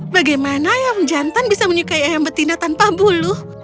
bagaimana ayam jantan bisa menyukai ayam betina tanpa bulu